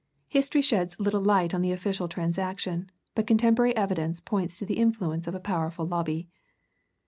History sheds little light on the official transaction, but contemporary evidence points to the influence of a powerful lobby.